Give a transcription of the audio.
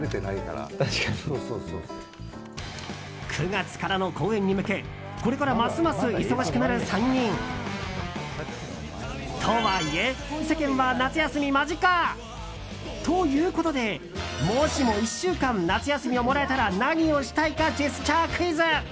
９月からの公演に向けこれからますます忙しくなる３人。とはいえ、世間は夏休み間近。ということでもしも１週間夏休みをもらえたら何をしたいかジェスチャークイズ。